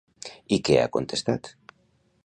I què ha contestat?